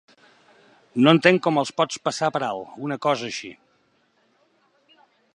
No entenc com els pot passar per alt, una cosa així.